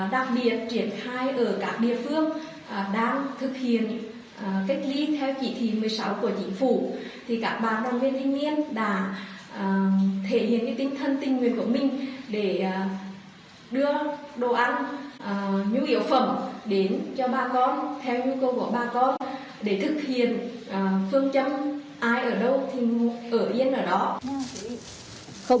đặc biệt triển khai ở các địa phương đang thực hiện cách ly theo chỉ thị một mươi sáu của chính phủ